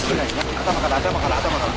頭から頭から頭から。